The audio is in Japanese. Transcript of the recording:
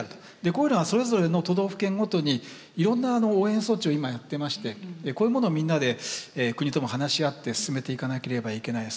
こういうのはそれぞれの都道府県ごとにいろんな応援措置を今やってましてこういうものをみんなで国とも話し合って進めていかなければいけない。